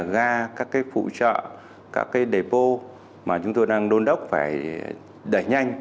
gà các phụ trợ các đề bô mà chúng tôi đang đôn đốc phải đẩy nhanh